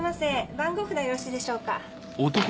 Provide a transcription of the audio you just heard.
番号札よろしいでしょうか？